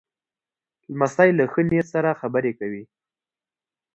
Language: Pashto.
لمسی له ښه نیت سره خبرې کوي.